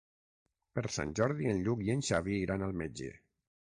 Per Sant Jordi en Lluc i en Xavi iran al metge.